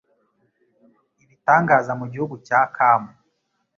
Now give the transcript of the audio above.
ibitangaza mu gihugu cya Kamu